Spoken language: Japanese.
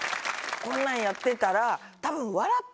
こんなんやってたらたぶん。